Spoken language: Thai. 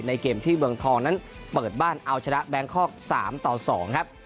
เกมที่เมืองทองนั้นเปิดบ้านเอาชนะแบงคอก๓ต่อ๒ครับ